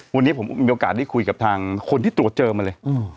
วันนี้ผมมีโอกาสได้คุยกับทางคนที่ตรวจเจอมาเลย